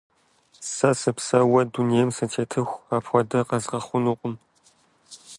Сэ сыпсэууэ дунейм сытетыху, апхуэдэ къэзгъэхъунукъым.